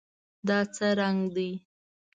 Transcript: دا څه رنګ دی؟